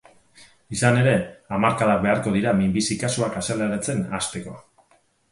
Izan ere, hamarkadak beharko dira minbizi kasuak azaleratzen hasteko.